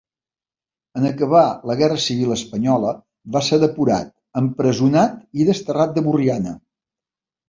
En acabar la Guerra Civil Espanyola va ser depurat, empresonat i desterrat de Borriana.